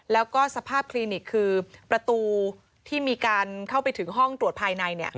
แล้วก็สภาพคลินิกคือประตูที่มีการเข้าไปถึงห้องตรวจภายใน